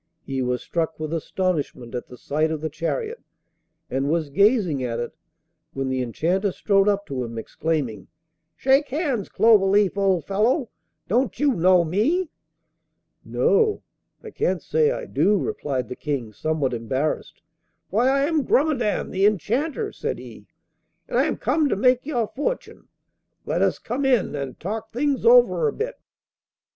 He was struck with astonishment at the sight of the chariot, and was gazing at it, when the Enchanter strode up to him, exclaiming: 'Shake hands, Cloverleaf, old fellow! Don't you know me?' 'No, I can't say I do,' replied the King, somewhat embarrassed. 'Why, I am Grumedan, the Enchanter,' said he, 'and I am come to make your fortune. Let us come in and talk things over a bit.